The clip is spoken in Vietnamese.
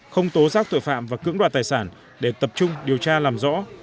không tố giác tội phạm và cưỡng đoạt tài sản để tập trung điều tra làm rõ